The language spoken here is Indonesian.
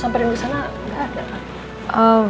sampai di luar sana gak ada kan